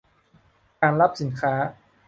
การรับสินค้า